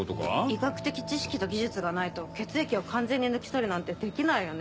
医学的知識と技術がないと血液を完全に抜き取るなんてできないよね？